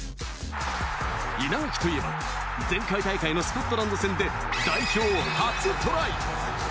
稲垣といえば、前回大会のスコットランド戦で代表初トライ。